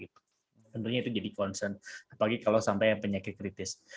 tentunya itu jadi concern apalagi kalau sampai penyakit kritis